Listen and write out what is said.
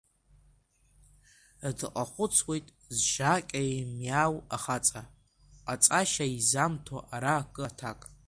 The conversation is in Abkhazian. Дкахәыцуеит зжакьа еимиаау ахаҵа, ҟаҵашьа изамҭо ара акы аҭак.